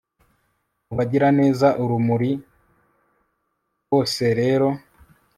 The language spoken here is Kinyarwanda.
Mubagiraneza urumuri boserero